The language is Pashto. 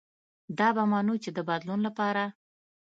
دا به منو چې د بدلون له پاره